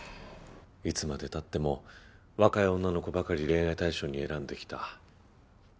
いつまでたっても若い女の子ばかり恋愛対象に選んできた。